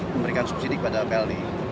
memberikan subsidi kepada pld